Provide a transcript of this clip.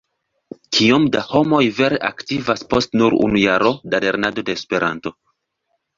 Kiom da homoj vere aktivas post nur unu jaro da lernado de Esperanto?